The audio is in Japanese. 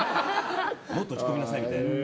もっと落ち込みなさいみたいな。